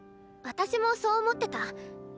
私もそう思ってた。